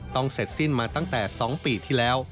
ต้องเสร็จสิ้นมาตั้งแต่๒ปี